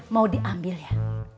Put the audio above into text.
mau diambil ya